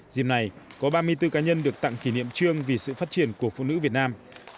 dìm này có ba mươi bốn cá nhân được tặng kỷ niệm trương vì sự phát triển của phụ nữ việt nam